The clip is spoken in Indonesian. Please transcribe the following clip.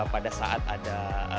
pada saat ada